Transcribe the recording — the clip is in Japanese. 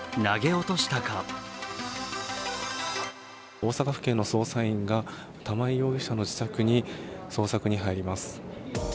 大阪府警の捜査員が玉井容疑者の自宅に捜索に入ります。